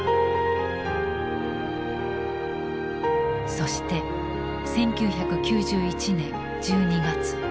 そして１９９１年１２月。